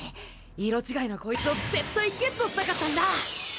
色違いのコイツを絶対ゲットしたかったんだ。